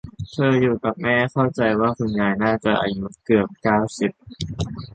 เธออยู่กับแม่เข้าใจว่าคุณยายน่าจะอานุเกือบ เก้าสิบ